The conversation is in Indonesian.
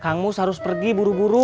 kang mus harus pergi buru buru